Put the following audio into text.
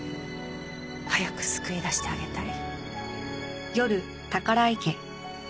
早く救い出してあげたい。